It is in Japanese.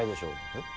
えっ？